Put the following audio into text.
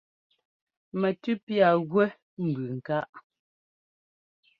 Mɛtʉ́ piâa gúɛ́ nbʉʉ nkáʼ.